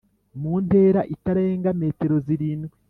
mu ntera itarenga metero zirindwi